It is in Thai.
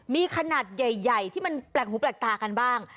มีขนาดใหญ่ที่มันแปลกหูแปลกตากันบ้าง